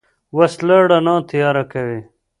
وسله رڼا تیاره کوي